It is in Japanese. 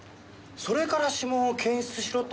それから指紋を検出しろと？